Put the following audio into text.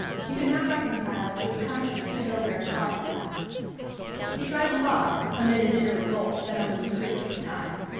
He could not reconcile it to his conscience to go very far from them. He tried the bar, amid an inner revolt that only increased with time.